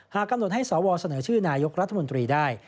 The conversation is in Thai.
กำหนดให้สวเสนอชื่อนายกรัฐมนตรีได้